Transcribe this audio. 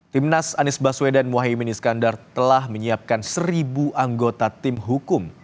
timnas anies baswedan mohaimin iskandar telah menyiapkan seribu anggota tim hukum